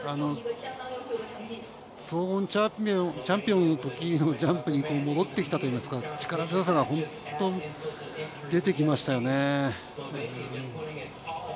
総合チャンピオンのときに戻ってきたというか力強さが本当に出てきましたよね。